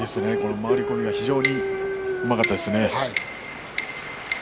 回り込みが非常にうまかったですね。